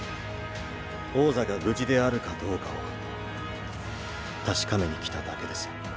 王座が無事であるかどうかを確かめに来ただけです。